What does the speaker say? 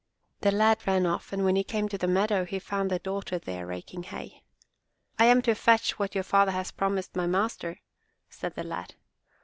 The lad ran off and when he came to the meadow he found the daughter there raking hay. "I am to fetch what your father has promised my master," said the lad.